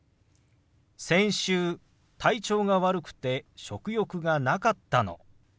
先週体調が悪くて食欲がなかったの。